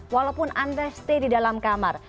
walaupun anda stay di dalam kamar